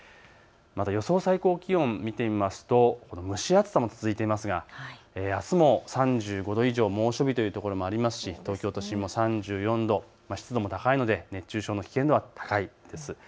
予想最高気温、見てみますと蒸し暑さも続いていますがあすも３５度以上、猛暑日という所もありますし東京都心も３４度、湿度も高いので熱中症の危険度は高いです。